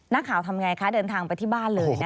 ทำไงคะเดินทางไปที่บ้านเลยนะคะ